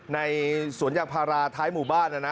ในสวนยางพาราท้ายหมู่บ้านนะนะ